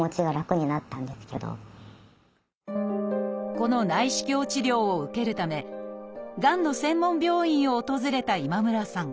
この内視鏡治療を受けるためがんの専門病院を訪れた今村さん。